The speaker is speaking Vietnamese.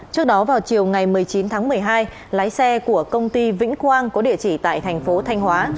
trước đó vào chiều ngày một mươi chín tháng một mươi hai lái xe của công ty vĩnh quang có địa chỉ tại thành phố thanh hóa